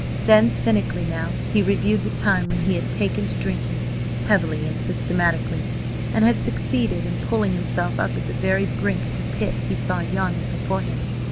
Then, cynically now, he reviewed the time when he had taken to drinking, heavily and systematically, and had succeeded in pulling himself up at the very brink of the pit he saw yawning before him.